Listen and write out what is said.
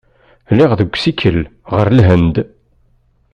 Lliɣ deg usikel ɣer Lhend.